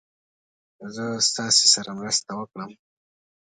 زه ستاسې سره مرسته وکړم.